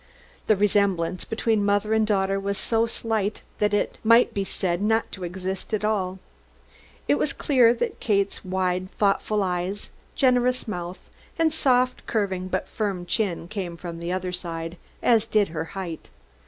The resemblance between mother and daughter was so slight that it might be said not to exist at all. It was clear that Kate's wide, thoughtful eyes, generous mouth and softly curving but firm chin came from the other side, as did her height.